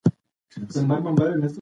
ماشومانو ته باید د زده کړې حق ورکړل سي.